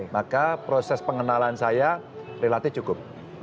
maka proses pengenalan saya relatif cukup